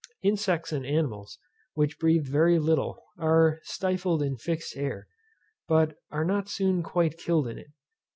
Insects and animals which breathe very little are stifled in fixed air, but are not soon quite killed in it.